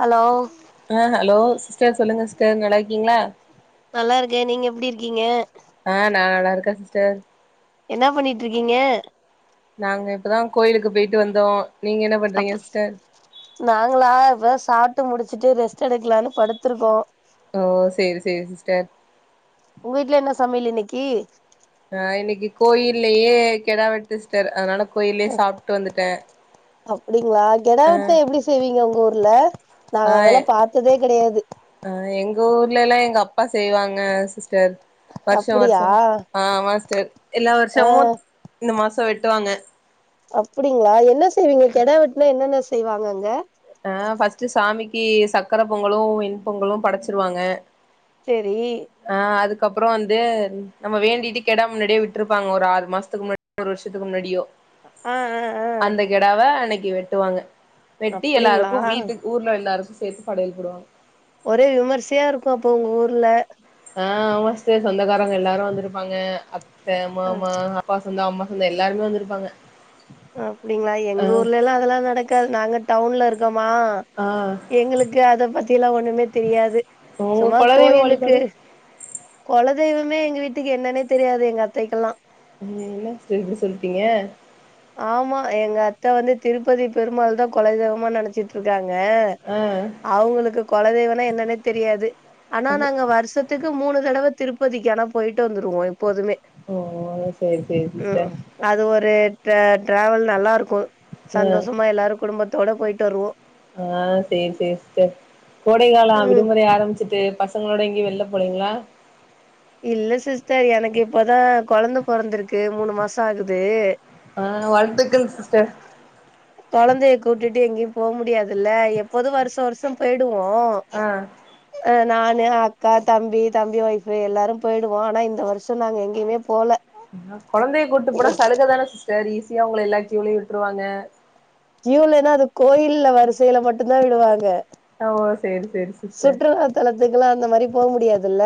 Hello ஆ hello சா சொல்லுங்க சிஸ்டர் நல்லா இருக்கீங்களா ப்டி இருக்கீங்க ஸ்டர் என்ன பண்ணிட்டு இருக்கீங்க நாங்க இப்பதா கோயிலுக்கு போயிட்டு வந்தோ நீங்க என்ன பண்றீங்க அப் சிஸ்டர் நாங்களா இப் சாப் ட்டு முடிச்சுட்டு ரெஸ்ட் எடுக்கலான்னு படுத்திருக்கோ ஓ சேரி சேரி சிஸ்டர் உங்க வீட்டுல என்ன சமையல் இன்னைக்கி ஆ இன்னைக்கு கோயில்லயே கெடா வெட்டு ஸ்டர் அதனால கோயில்யே சாப்ட்டு வந்துட்டே ஹஸ்ப ங்களா கெடாவெட்லாஹ எப்டி செய்வீங்க உ ஊர்ல நாங்க ஆ அதெல்லா பாத்ததே கெடையாது க ஊர்லல்லா எங்க அப்பா செய்வாங்க சிஸ் டர் வர்ஷா அப்டியா வர்ஷோ ஆ ஆமா சி ஸ்டர் எல்லா ஆ வருஷமு இந்த மா சோ வெட்டுவாங்க அப்டிங்களா என்ன செய்வீங்க கெடா வெட்னா என்னென்ன செய்வாங்க அங்க ஆ ஃபர்ஸ்ட்டு சாமிக்கி சக்கர பொங்கலு வெண் பொங்கலு படச்சிருவாங்க செரி கப்புறோ வந்து நம்ம வேண்டிட்டு கெடா முன்னாடியே விட்ருப்பாங்க ஒரு ஆறு மாசத்துக்கு முன்னாடி ஒரு வருஷத்துக்கு முன்னாடியோ ஆ ஆ ஆ அந்த கெடாவ அன்னைக் கி வெட்டுவாங்க ட்டி அப்டிங்களா எல்லாருக்கு வீட்டுக் ஊர்ல எல்லாருக்கு சேத்து படையல் போடுவாங்க ஒரே விமரிசையா இருக்கு அப்போ உங்க ஊர்ல ஆ விமரிசையா சொந்தக்காரங்க எல்லாரு வந்திருப்பாங்க அ த்த அ மாமா அப்பா சொந்தோ அம்மா சொந்தோ எல்லாருமே வந்துருப்பாங்க அப்டிங்களா எங்க ஊர்லல்லா அதெல்லா நடக்காது நாங்க டவுன்ல இரு க்கமா ஆ எங்களுக்கு அத பத்தில்லா ஒண்ணுமே தெரியாது உங்க சும்மா குலதெய்வ கோயிலுக்கு வழிபாடு கொலதெய்வமே எங்க வீட்டுக்கு என்னன்னே தெரியாது எங்க அத்தைக்கெல்லா ம் என்ன சிஸ்டர் இப்பிடி சொல்ட்டீங்க ஆமா எங்க அத்த வந்து திருப்பதி பெருமாள்தா கொலதெய்வமா நெனச்சிட்ருக்காங் க ஆ அவங்களுக்கு கொலதெய்வனா என்னன்னே தெரியாது ஆனா நாங்க வருஷத்துக் கு மூணு தடவ திருப்பதிக்கி ஆனா போயிட்டு வந்துருவோ எ ப்போதுமே ஓ சேரி சேரி ம் சிஸ்டர் அது ஒரு ந்த டிராவல் நல்லாரு க்கு ஆ சந்தோஷமா எல்லாரு குடும்பத் தோட போயிட்டு வருவோ ஆ செரி செரி செரி கோடை காலம் ம் விடுமுறை ஆரம்பிச்சி ட்டு பசங்களோட எங்கியும் வெள்ல போலீங்களா இல்ல சிஸ்டர் எனக்கு இப்பதான் கொழந்த பொறந்துருக்கு மூணு மாசோ ஆகுது ஆ வாழ்த்துக்கள் சிஸ்டர் கொழந்தைய கூட்டிடு எங்கியு போ முடியாதுல்ல எப்போதும் வருச வருசோ போயி டுவோம் ஆ ஆ நா னா அக்கா தம்பி தம்பி ஒய்ஃப் பு எல்லாரும் போயிடுவோம் ஆனா இந்த வருஷசோ நாங்க எங்கியுமே போல கொழந்தைய கூட்டு போனா சலுக தான சிஸ்டர் ஈ சியா உங்கள எல்லா கீவ்லயு விட்டுருவாங்க க்யூல்லன்னா அது கோயில்ல வரிசையில மட்டு தான் விடுவாங்க ஓ சேரி சேரி சிஸ்டர் சுற்றுலாத்தலத்துக்குலா இந்த மாரி போ முடியாது இது இல்ல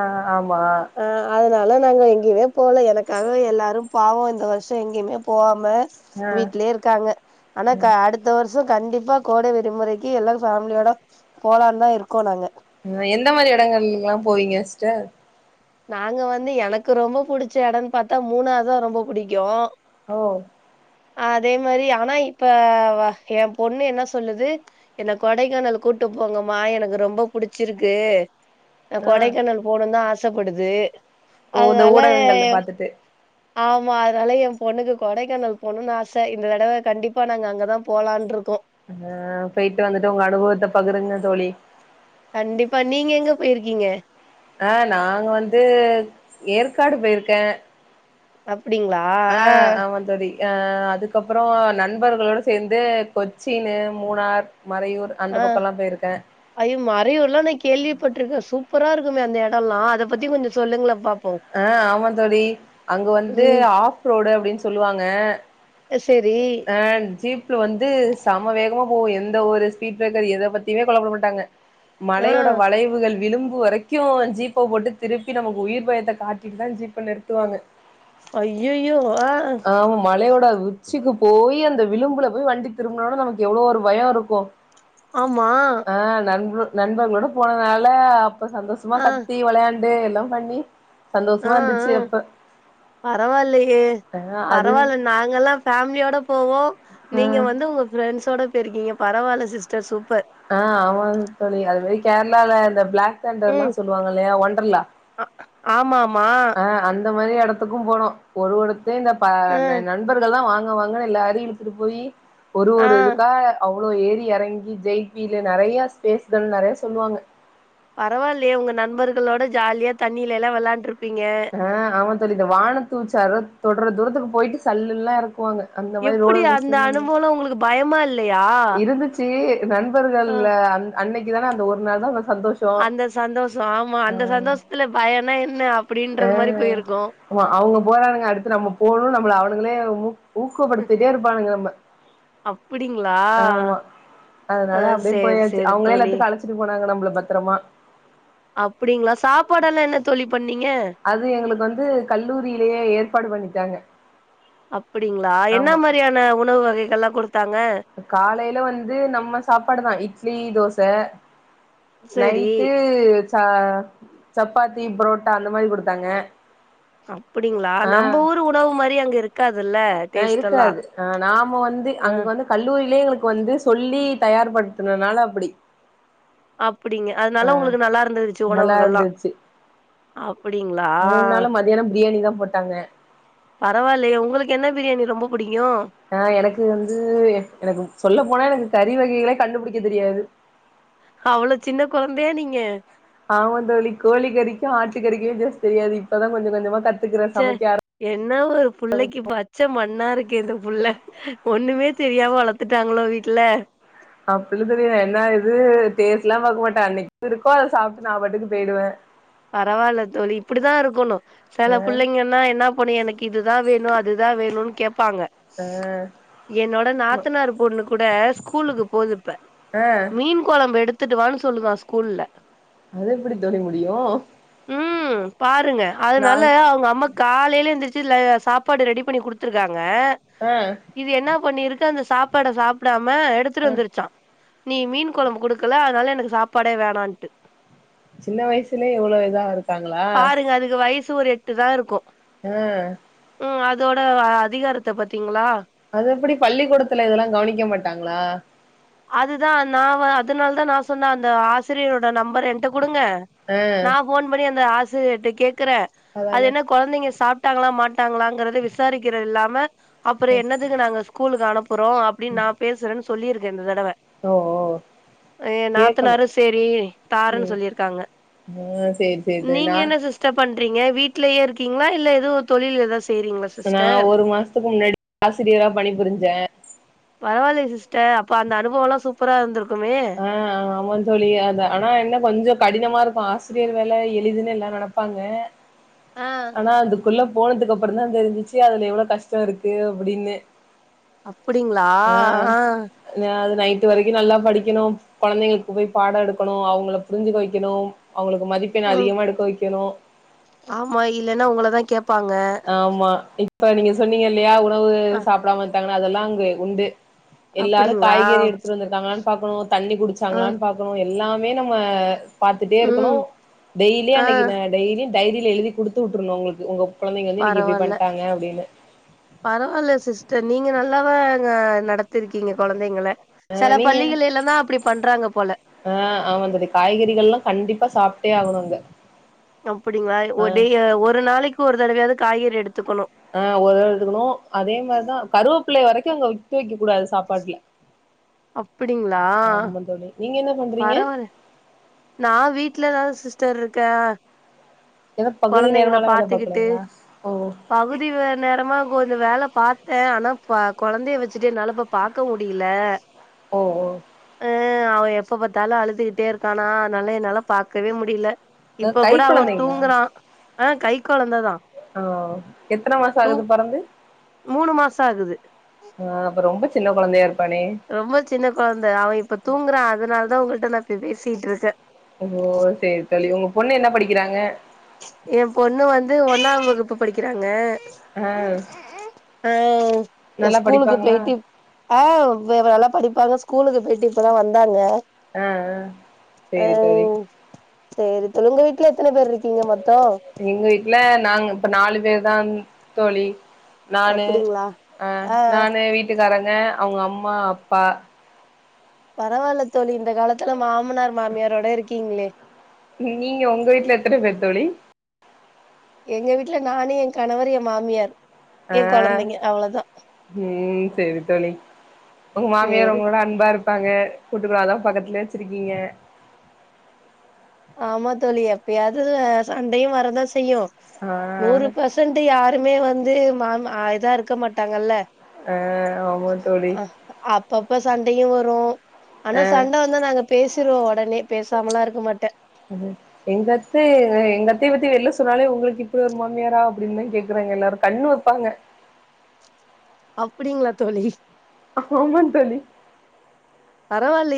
ஆ ஆமா ஆ அத னால நாங்க எங்கியுமே போல எனக்காக எல்லாரும் பாவம் இந்த வருஷோ எங்கியுமே போவா ம ஆ வீட்லே இருக்காங்க ஆனா க அடுத்த வரு ஷோ கண்டிப்பா கோடைவிடுமுறைக்கு எல்லா ஃபேமிலியோட போலான்னு தா இருக்கோ நாங்க போவிங்க சிஸ்டர் நாங்க வந்து எனக்கு ரொம்ப புடிச்ச எடன்னு பாத்தா மூணாருதா ரொம்ப புடிக்கும் ஓ அதே மாரி ஆனா இப்ப என் பொண்ணு என்ன சொல்லுது என்ன கொடைக்கானல் கூட்டு போங்கம்மா எனக்கு ரொம்ப புடிச்சிருக்கு ஆ கொடைக்கானல் போனு தா ஆ சப்படுது ஓ இந்த ஊடகங்கள்ல பாத்துட்டு ஆமா அதனால என் பொண்ணுக்கு கொடைக்கானல் போணுன்னு ஆச இந்த தடவ கண்டிப்பா நாங்க அங்கதான் போலான்ருக்கோ அங்க போயிட்டு வந்துட்டு உங்க அனுபவத்த பகுருங்க தோழி கண்டிப்பா நீங்க எங்க போயிருக்கீங்க ஆ நாங்க வந்து ஏற்காடு போயிருக்கே அப் அப்டிங்களா ஆ தோழி ஆ அதுக்கப்றம் நண்பர்களோடு சேந்து கொச்சின்னு மூணார் மறையூர் அந்த ஆ பக்கோல்லா போயிருக்கே ஐயோ மறையூர்லா நா கேள்விப்பட்டுருக்கே சூப் புரா இருக்குமே அந்த எடல்லாம் அத பத்தி கொஞ்சோ சொல்லுங்களே பாப் ஆ ஆமாந்தோழி அங்க வந்து ம் ஆஃப் ரோடு அப்டின்னு சொல்லுவாங்க செரி ஆ ஜீப்ல வந்து செம வேகமா போ எந்த ஒரு ஸ்பீட் பிரேக்கர் எத பத்தியுமே கவலப்பட மாட்டாங்க ஆ மலையோட வளைவுகள் விளிம் பு வரைக்கு ஜீப்ப போட்டு திருப்பி நமக்கு உயிர் பயத்த காட்டிட்டுதா ஜீப்ப நிறுத்துவாங்க ஐய்யய்யோ ஆ ஆமா மலையோட உச் சிக்கு போயி அந்த விளிம்புல போய் வண்டி திரும்புணானா நமக்கு எவ்ளோ ஒரு பயோ இருக்கு ஆமா ஆ நண்ப்ரு நண்பர்களோட போனதுனால ரொம்ப சந்தோஷமா ஆ கத்தி வெளையாண் டு எல்லாம் பண்ணி ஆ சந்தோஷமா இருந்துச்சு ஆ அப்ப பரவால்லயே ஆ அது பரவால்ல நாங்கல்லா ஃபேமிலியோட போவோ ஆ நீங்க வந்து உங்க ஃபிரெண்ட்ஸோட போயிருக்கீங்க பரவால்ல சிஸ்டர் சூப்பர் ஆ ஆமாங்க தோழி அது மாரி கேரளால இந்த பிளாக் தண்டர்ன்லா சொல்லுவாங்க இல்லையா ஒன்டர்லா ஆமா ஆ ஆ அந்த மாரி எ டத்துக்கு போனோ ஒரு ஒரு த்து இந்த பா இந்த ம் நண்பர்கள்லா வாங் க வாங்கனு எல்லாரையு இழுத்துட்டு போயி ஒரு ஆ ஒரு இதுக்கா அ வ்ளோ ஏறி எறங்கி ஜெய்பில நெறைய ஸ்பேஸ்கள் நெறைய சொல்லுவாங்க பரவால்லையே உங்க நண்பர்களோட ஜாலியா தண்ணில எல்லா வெளாண்ட்ரு ஆ ஆமாந் தோழி இந்த வானத்து உச்சியாரோ தொடர தூரத்துக்கு போயிட்டு சல்லுன்லா எறக்குவாங்க அந்த மாரி எப்புடி அந்த அனுபவம்லா உங்களுக்கு பயமா இல் இருந்துச்சி ஆ நண்பர்கள்ல அந்த அன்னைக்கு தானா அந்த ஒரு நாள் தான் அந்த சந்தோஷம் ஆமா அந்த சந்தோஷத்துல பயம்னா என்ன ஆ அப்டின்றது மாரி போயிருக்கு ஆமா அவுங்க போறானுங்க அடுத்து நம்ம போணும் நம்மளை அவுங்களே ஊக்கப்படுத்திட்டே இருப்பாங் ஆமா அப்டிங்களா ஆமா ஆ அதனால அப்படியே சேரி போயாச்சு சேரி அவுங்களே எல்லாத்துக்கும் அழைச்சிட்டு போனாங்க நம்மள பத்தரமா அப்படிங்களா சாப்பாடெல்லாம் என்ன தோழி பண் அது எங்களுக்கு வந்து கல்லூரிலேயே ஏற்பாடு பண்ணிட்டாங்க அப்டிங்களா என்ன ஆமா மாரியான உணவு வகைகள்லா குடுத்தாங்க காலேல வந்து நம்ம சாப்பாடுதான் இட்லி தோச சேரி நைட்டு சா சப் பாத்தி ப்ரோட்டா அப்படிங்களா நம்ம ஊரு உணவு மாரி அங்க இருக்கா அ இருக்காது அ நாம வந்து ஆ அங்க வந்து கல்லூரிலே எங்களுக்கு வந்து சொல்லி தயார் படுத்துனனால அப்படி அப்படிங்க அதனால உங்களுக்கு நல்லா இருந்துச்சு நல்லா உணவுகள் எல்லாம் இருந்துச்சு அப்படிங்களா மூணு நாளு மதியானோ பிரியாணி தா போட்டாங்க பரவாயில்லயே உங்களுக்கு என்ன பிரியாணி ரொம்ப புடிக் ஆ எனக்கு வந்து எனக்கு சொல்ல போனா எனக்கு கறி வகைகளே கண்டுபுடிக்க தெரியாது அவ்ளோ சின்ன கொழந்தையா நீங்க ஆமா தோழி கோழி கறிக்கும் ஆட்டு கறிக்குமே வித்யாசம் தெரியாது இப்பதான் கொஞ்ச கொஞ்சமா கத் ச என்ன ஒரு புள்ளக்கி பச்சமண் ணா இருக்கே இந்த புள்ள ஒன்னுமே தெரியாம வளத்துட்டாங்களோ வீட்ல அப்டிலாம் தெரியா என்ன இது டேஸ்ட் எல்லாம் பாக்க மாட்டேன் அன்னைக்கு என்னா இருக்கோ அதை சாப்ட்டு நான் பாட்டுக்கு போயிடுவேன் பரவாயில்ல தோழி இப்படிதான் இருக்கனும் செல பிள்ளைங்கன்னா என்ன பண்ணும் எனக்கு இதுதான் வேணும் அதுதான் வேணும்ன்னு கேட்பாங்க ஆ என்னோட நாத்தனார் பொண்ணு கூட ஸ்கூலுக்கு போதுப்ப ஆ மீன் குழம்பு எடுத் துட்டு வான்னு சொல்லுதான் ஸ்கூல்ல அது எப்டி தோழி முடியும் ம் பாத் துங்க அதனால அவுங்க அம்மா காலேல எந்திரிச் இதுல சாப்பாடு ரெடி பண்ணி குடுத்துருக்காங் ங்க ஆ இது என்னா பண்ணிருக் இது அந்த சாப்பாட சாப்டாம ம எடுத்துட்டு வந்துருச்சா நீ மீன் கொழம்பு குடுக்கல அதனால எனக்கு சாப்பாடே வேணான்ட்டு சின்ன வயசுலயே இவ்ளோ இதா இருக்காங்ளா சு எட்டு தா இருக்கு ஆ இதோட அதிகாரத்த பாத்தீங்ளா அது எப்டி பள்ளிக்கூடத்ல இதெல்லா கவனிக்க மாட்டாங்ளா அதுதா நா அதனால தா நா சொன்ன அந்த ஆசிரியரோட நம்பர் என்ட குடுங்க ஆ நா ஃபோன் பண்ணி அந்த ஆசிரி அதுகட்ட கேட் க்கறே அது அதானே என்ன கொழந்தைக சாப் ட்டாங்ளா மாட்ட ட்டாங்களாங்கிறது விசாரிக்கிறல்லா ம அப்பற ம். என்னதுக்கு நாங்க ஸ்கூ கூலுக்கு அனுப் றோ அப்டினு நா பேசுறேனு சொல்லிரு இந்த தடவ ஓ ஓ எ கேட்கணு நாத்தனாரு சேரி தரேன்னு ம் சொல்லி இருக்காங்க ஆ சேரி சேரி தோழி நீங்க நா என்ன சிஸ்டர் பண் இங்க வீட்லேயே இருக்கீங்ளா இல்ல ஏதோ தொழில் ஏதாச் நா ஒரு மாசத்துக்கு முன்னாடி ஆசிரியரா பணி புரிஞ்சே பரவாயல்லயே சிஸ்டர் அப்ப அந்த அனுபவ எல்லா சூப்பரா இருந்திருக்கு ஆ ஆமாந்தோழி அத ஆனா என்ன கொஞ்ச கடினமா இரு ஆசிரியர் வேல எளிதுன்னு எல்லா நெனப்பாங்க ஆ ஆனா அது குள்ள போனதுக்கு அப்றோ தா தெரிஞ்சிச்சு அதுல எவ்ள கஷ்ட இருக்கு அப்டின்னு அப்படிங்ளா ஆ இது வரைக்கு நல்லா படிக்க க்கணு கொழந்தைங்களுக்கு போய் பாடோ எடுக்கணு அவுங்கள புரிஞ்சிக்க வைக்கணு அவுங்களுக்கு மதிப்பெண் ம் அதிகமா எடுக்க வைக்கணு ஆமா இல்லன்னா உங்களதா கேப்பாங்க ஆமா இப்ப நீங்க சொன்னிங்கல் ல்லயா உணவு ஆ சாப்பிடாம தாங்கன்னா அதெல்லா அங்க உண்டு எல்லாரு அப்டிங்களா காய்கறி எடுத்துட்டு வந்திருக்காங்களானு பாக்கணு தண்ணி ஆ குடிச்சாங்களான் பாக்கணு எல்லாமே நம்ம பாத்துட்டே இருக்கணு ம் டெய்லி ஆ அன்னிக்கு நா டெய்லி டைரியில எழுதி குடுத்துவுட்டுருணு உங்களுக்கு உங்க குழந்தைங்க வந்து இன்னைக்கு இப்டி பரவாயில்ல பண்ட்டாங்க அப்டின்னு பரவாயில்ல சிஸ்டர் நீங்க நல் அல்லவா அங்க நடத்திருக்கீங்க கொழந்தைங்கள அ செல நீங்க பள்ளிகள்ல தா அப்டி பண்றாங்க போல ஆ ஆமா தோழி காய்கறிகள் எல்லா கண்டிப்பா சாப்பிட்டே ஆகணு [inaudible] அப்பிடிங்களா ஆ ஒடே ஒரு நாளைக்கு ஒரு தடவையாது காய்கறி எடுத்துக்கணு ஆ ஒர்தடவ எடுத்துக்கணு அதே மாரிதா கருவேப்பிள்ள வரைக்கு அவுங்க வித்து வைக் கூடாது சாப்பாட்ல அப்டிங்களா ஆமா தோழி நீங்க என்ன பண்றீங்க பரவால்ல நா வீட்லதா சிஸ்டர் இருக்கே ஏதோ பகுதி கொழந்தைங்கள நேரமாலா வேல பாத்துக்கிட்டு பாக்குறீங்களா ஓ பகுதி நேரமா கொஞ்ச வேல பாத்தே ஆனா பா கொழந்தைய வச்சுட்டு என்னால இப்ப பாக்க முடியல ஓ ஓ ஏ எப்ப பாத்தாலு அழுதுகிட்டே இருக் ஆனா அனால என்னால பாக்கவே முடியல அ இப்ப கை கூட அவே கொழந்தைங்களா தூங்கறா ஆ கை கொழந்ததா ஓ எத்தன மாசோ தூ ஆகுது பொறந்து மூணு மாச ஆகுது ஆ அப்ப ரொம்ப சி சின்ன கொழந்தையா இருக் ரொம்ப சின்ன கொழந்த அவ இப்ப தூங்குறா அதனாலதா அதா உங்கள்கிட்ட நா இப்ப பேசிட்டு இருக்கே ஓ சேரி தோழி உங்க பொண்ணு என்ன படிக்கிறாங்க எ பொண்ணு வந்து ஒன்னாம் வகுப்பு படிக்கிறாங்க ஆ உம் ஆஹ ஆஹ ஆ எ நல்லா ஸ்கூலுக்கு படிப்பாங்களா போய்ட்டு ஆ நல்லா படிக் இப்பஅதா ஸ்கூலு போயிட்டு இப்பதா வந்தாங்க ஆ ஆ சரி தோழி சரி தோழி உங்க வீட்டுல எத்தன பேருஇருக் இங்க மட் எங்க வீட்டுல நாங்க இப்ப நாலு பேர்தான் தோழி நானு அப்டிங்களா ஆ நானு வீட்டுக்காரங் ங்க அவங்க அம்மா அப்பா பரவாயில்ல தோழி இந்த காலத்துல மா மனார் மாமியாரோட இருக்கீங்களே நீங்க உங்க வீட்டுல எத்தன பேர் தோழி எங்க வீட்டுல நானு எ கணவர் எ மாமியார் அ என் கொழந்தைங்க அவ்ளோதா உ சரி தோழி உங்க மாமியார் சேரி உங்களோட அன்பா இரு ப்பாங்க கூட்டுக்கறாதா பக்கத்துலயே வச்சிருக்கீங்க ஆமா தோழி எப்பயாது சண்டையு வரதா செய்யு ஆ நூறு பசன்ட் யாருமே வந் து மா இதா இருக்க மாட்டாங்கல்ல ஆ ஆமா தோழி ப்பாப்ப சண்டையு வரு ஆனா சண்ட வந்தா நாங்க பேசிருவோ ஒ உடனே பேசமலா இருக்க மாட்டே எங்க அத்த எங்க அத்தைய பத்தி வெளில சொன்னாலே உங்களுக்கு இப்படி ஒரு மாமியாரா அப்படின்னுதா கேக்குறாங்க எல்லாரு கண்ணு வைப்பாங்க அப்டிங்களா தோழி ஆமா தோழி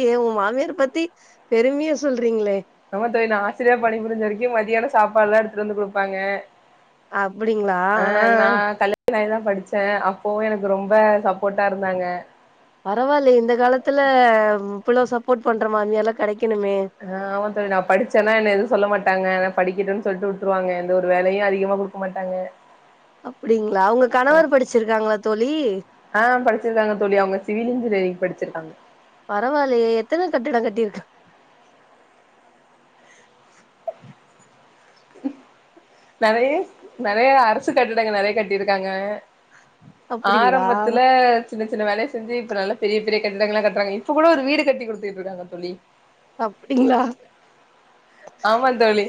ஏ உங்க மாமியார் பத்தி பெருமையா சொல்றீங்களே நம்ம தோழி நா ஆசிரியரா பணி புரிஞ்ச வரைக்கு மதியான சாப்பாடு எல்லா எடுத்துட்டு வந்து குடுப்பாங்க அப்டிங்களா ஆ ஆ நானேதா படிச்சே அப்பவு எனக்கு ரொம்ப சப்போட்டா இருந்தாங்க பரவாயில்லயே இந்த காலத்ல இவ்ளோ சப்போட் பண்ற மாமியார்லா கெடைக்க ஆ ஆமா தோழி நா படிச்சேனா என்ன எதுவு சொல்ல மாட்டாங்க படிக்கட்டும்னு சொல்லிட்டு விட்டுருவாங்க எந்த ஒரு வேலயு அதிகமா குடுக்க மாட்டாங்க அப்டிங்ளா உங்க கணவர் படிச்சிருக்காங்ளா தோழி ஆ படிச்சுருக்காங்க பரவாயில்லயே எத்தன கட்டிட கட்டிருக்கா நெறய நெறய அரசு கட்டிடங்க நெறய கட்டிருக்காங்க அப்டிங்களா ஆரம்பத்ல சின்ன சின்ன வேலய செஞ்சு இப்ப நல்லா பெரிய பெரிய கட்டிடங்களா கட்றாங்க இப்ப கூட ஒரு வீடு கட்டி குடுத்துட்டு இருக்காங்க தோழி அப்டிங்ளா ஆமாந்தோழி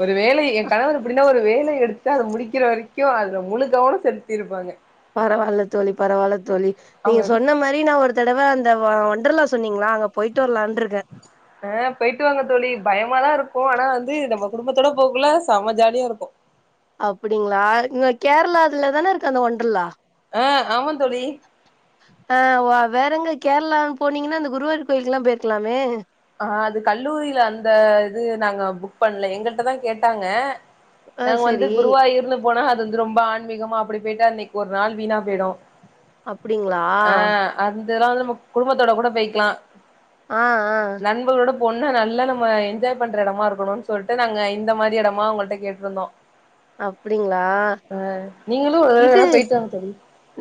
ஒரு வேலை என் கணவர் இப்டின்னா ஒருவே ஒரு பொருள எடுத்து அத முடிக்கிற வரைக்கு அதுல முழு கவனம் செலுத்தி இருப்பாங்க பரவால்ல தோழி பரவால்ல தோழி நீங்க அவங்க சொன்ன மாரி நா ஒரு ஒரு தடவ அந்த ஒண்டர்ல்லா சொன்னீங்ளா அங்க போயிட்டு வரலானு ஆ போயிட்டு வாங்க தோழி பயமாதா இருக்கு ஆனா வந்து நம்ம குடும்பத்தோட போகக்குள்ள செம்ம ஜாலியா இருக்கு அப்டிங்ளா இங்க கேரளால தான இருக்கு அந்த ஒன்றர்ல்லா ஆ ஆமாந்தோழி ஆ வ வேற எங்க கேரளாலா போனீங்கனா அந்த குருவாயூர் கோயிலுக்கெல்லா போயிருக்கலாமே அ அது கல்லூரியில அந்த இது நாங்க புக் பண்ணல எங்கல்டாதா கேட்டாங்க ஆ நாங்க வந்து செரி குருவாய்யூர்னு போனா அது வந்து ரொம்ப ஆன்மீகமா அப்டி போய்ட்டு அன்னைக்கு ஒரு நாள் வீணா போய்டு அப்டிங்ளா இதெல்லா வந்து ந குடும்பத்தோட கூட போய்க்கலா ஆ ஆ நண்பர்களோட பொண்ணு நல்லா நம்ம என்ஜாய் பண்ற எடமா இருக்கணும்னு சொல்லிட்டு நாங்க இந்த மாதிரி எடமா அவுங்கள்ட கேட்ருந்தோ அப்டிங்ளா நீங்களு ஒரு தடவ வேனா போயிட்டு வாங்க தோழி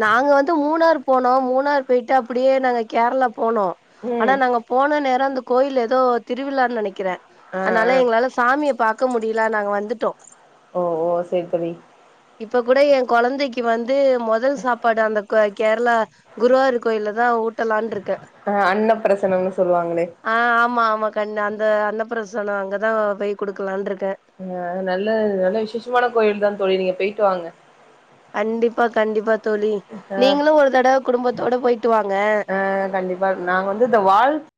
நாங்க வந்து மூணார் போனோம் மூணார் போயிட்டு அப்டியே நாங்க கேரளா போனோம் ஆனா ம் நாங்க போன நேரம் அந்த கோயில்ல எதோ திருவிழான்னு நெனைக்கிறே ஆ ஆ அதனால எங்களால சாமிய பாக் க முடியில நாங்க வந்துட்டோம் ஓ ஓ செரி தோழி இப்ப கூட என் கொழந்தைக்கு வந்து மொதல் சாப்பாடு அந்த க கேரளா குருவாரி கோயில தா ஊட் டலான் இருக்க ஆ அன்னப்பிரசனம்னு சொல்லுவாங்களே ஆ ஆமா ஆமா கண்ண அந்த அன்ன பிரசனம் அங்கதா போய் குடுக்கலான்னு இருக் ஆ நல்ல நல்ல விசேஷமான கோயில் தான் தோழி நீங்க போயி ட்டு வாங்க கண்டிப்பா கண்டிப்பா தோழி நீங்களும் ஒரு தடவ குடும்பத்தோட போயிட்டு வாங்க ஆ கண்டிப்பா நாங்க வந்து இந்த வாழ்